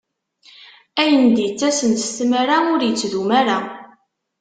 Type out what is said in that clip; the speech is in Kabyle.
Ayen d-ittasen s tmara, ur ittdum ara.